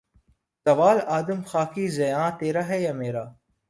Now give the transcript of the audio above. زوال آدم خاکی زیاں تیرا ہے یا میرا